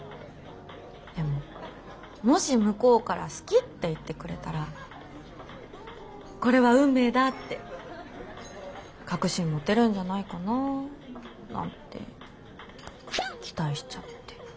でももし向こうから好きって言ってくれたらこれは運命だって確信持てるんじゃないかなぁなんて期待しちゃって。